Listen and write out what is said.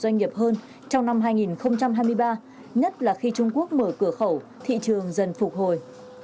mong chờ mình sẽ kết hợp cung cấp dịch vụ cho thêm nhiều doanh nghiệp hơn trong năm hai nghìn hai mươi ba nhất là khi trung quốc mở cửa khẩu thị trường dần phục hồi